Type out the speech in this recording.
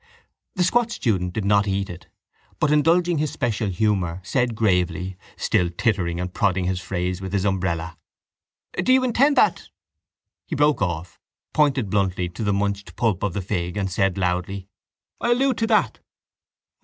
The squat student did not eat it but, indulging his special humour, said gravely, still tittering and prodding his phrase with his umbrella: —Do you intend that... He broke off, pointed bluntly to the munched pulp of the fig, and said loudly: —I allude to that.